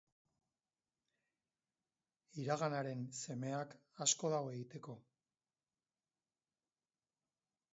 Iraganaren semeak, asko dago egiteko.